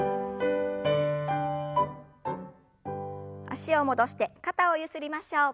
脚を戻して肩をゆすりましょう。